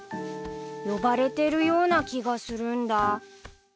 ［呼ばれてるような気がするんだ］